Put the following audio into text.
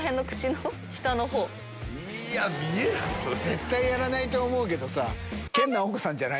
絶対やらないと思うけど。